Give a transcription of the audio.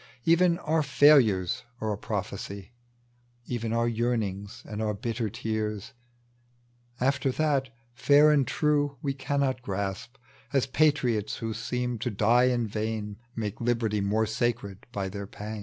Even our failures are a prophecy, Even our yearnings and our bitter tears After that fair and true we cannot grasp ; As patriots who seem to die in vain Make hberty more sacred by their pangs.